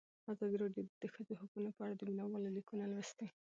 ازادي راډیو د د ښځو حقونه په اړه د مینه والو لیکونه لوستي.